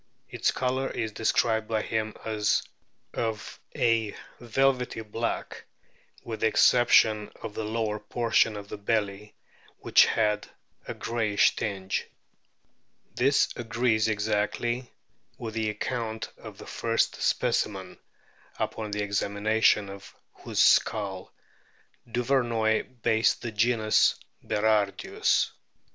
Its colour is described by him as of a velvety black, with the exception of the lower portion of the belly, which had a greyish tinge. This agrees exactly with the account of the first specimen, upon the examination of whose skull Duvernoy based the genus Berardius.